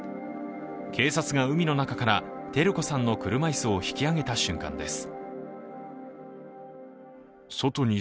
警察が海の中から照子さんの車椅子を引き上げた瞬間です。